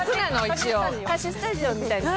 貸しスタジオみたいな。